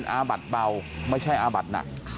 อาบัดเบาไม่ใช่อาบัดหนัก